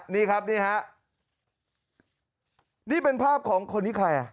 นี่ครับนี่เป็นภาพของคนที่ใคร